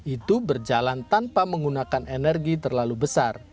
itu berjalan tanpa menggunakan energi terlalu besar